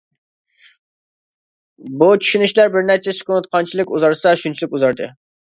بۇ چۈشىنىشلەر بىر نەچچە سېكۇنت قانچىلىك ئۇزارسا شۇنچىلىك ئۇزاردى.